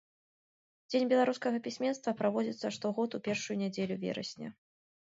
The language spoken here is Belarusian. Дзень беларускага пісьменства праводзіцца штогод у першую нядзелю верасня.